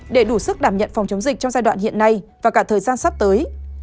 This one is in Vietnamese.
để đủ sức đảm nhận phòng chống dịch trong giai đoạn hiện nay và cả thời gian sắp tới